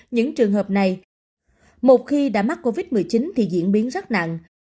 những trường hợp này một khi đã mắc covid một mươi chín thì diễn biến rất nặng